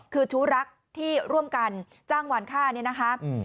คือชู้รักที่ร่วมกันจ้างวานค่าเนี่ยนะคะ